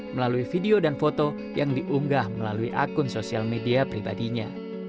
melalui video dan foto yang diunggah melalui akun sosial media pribadinya